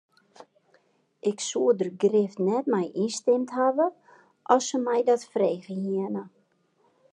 Ik soe der grif net mei ynstimd hawwe as se my dat frege hiene.